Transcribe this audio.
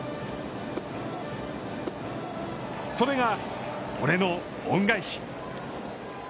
それが、俺の恩返し。